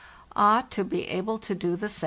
Ah to be able to do the same!